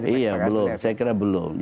iya belum saya kira belum